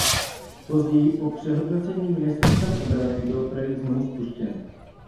Později po přehodnocení ministerstvem obrany byl projekt znovu spuštěn.